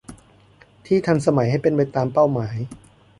ที่ทันสมัยให้เป็นไปตามเป้าหมาย